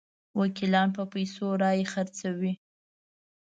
وکیلان په پیسو رایې خرڅوي.